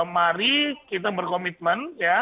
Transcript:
mari kita berkomitmen ya